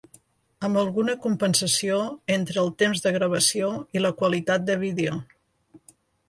Amb alguna compensació entre el temps de gravació i la qualitat de vídeo.